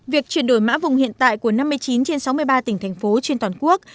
việc chuyển đổi mã vùng hiện tại của năm mươi chín trên sáu mươi ba tỉnh thành phố trên toàn quốc